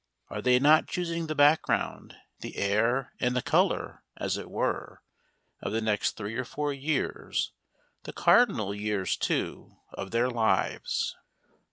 Are they not choosing the background, the air and the colour, as it were, of the next three or four years, the cardinal years, too! of their lives?